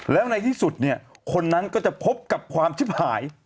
แล้วในที่สุดเนี่ยคนนั้นก็จะพบกับความชิบหาย